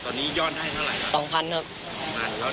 ตอนนี้ยอดได้เท่าไหร่ครับ